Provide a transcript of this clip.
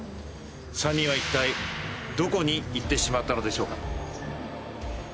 ３人は一体、どこに行ってしまったのでしょうか。